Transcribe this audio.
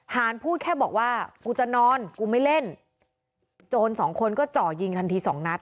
หารพูดแค่บอกว่ากูจะนอนกูไม่เล่นโจรสองคนก็เจาะยิงทันทีสองนัด